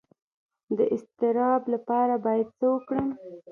د اضطراب لپاره باید څه وکړم؟